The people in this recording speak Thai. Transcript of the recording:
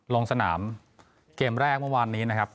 ลงสนามเกมแรกเมื่อวานนี้นะครับ